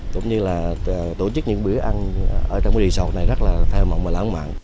cũng như là tổ chức những bữa ăn ở trong resort này rất là vui vẻ